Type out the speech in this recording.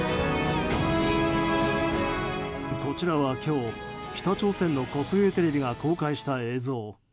こちらは今日北朝鮮の国営テレビが公開した映像。